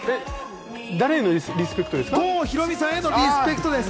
誰のリスペクトですか？